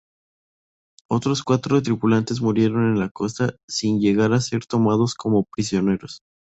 Otros cuatro tripulantes, murieron en la costa sin llegar a ser tomados como prisioneros.